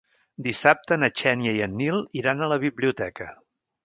Dissabte na Xènia i en Nil iran a la biblioteca.